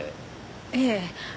ええ。